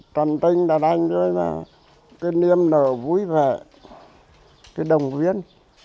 trần tinh đã đánh rồi là cái niềm nở vui vẻ cái đồng viên